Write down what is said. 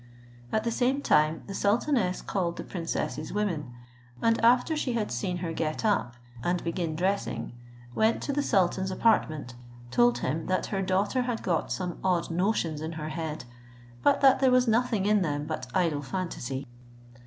At the same time the sultaness called the princess's women, and after she had seen her get up, and begin dressing, went to the sultan's apartment, told him that her daughter had got some odd notions in her head, but that there was nothing in them but idle phantasy.